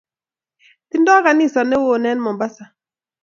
Tindo kanisa newon en Mombasa.